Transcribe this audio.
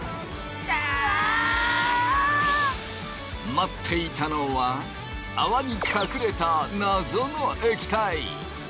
待っていたのは泡に隠れた謎の液体。